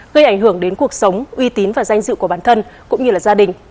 gây ảnh hưởng đến cuộc sống uy tín và danh dự của bản thân cũng như là gia đình